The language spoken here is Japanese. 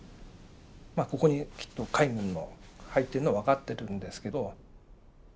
ここにきっと海軍の入ってるのは分かってるんですけど。